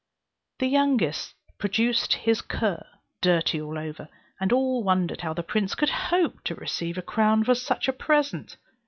The youngest produced his cur, dirty all over, and all wondered how the prince could hope to receive a crown for such a present.